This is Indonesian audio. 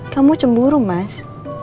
kamu cemburu mas